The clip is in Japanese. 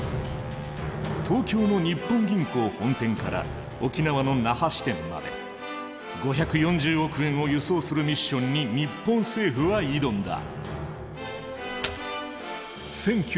東京の日本銀行本店から沖縄の那覇支店まで５４０億円を輸送するミッションに日本政府は挑んだ。